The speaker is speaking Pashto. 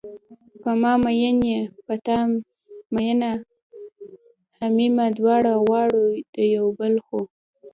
په ما میین یې په تا مینه همیمه دواړه غواړو یو بل خو